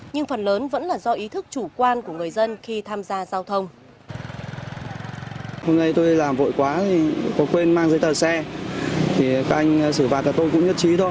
nhưng phần lớn vẫn là do ý thức chủ quan của người dân khi tham gia giao thông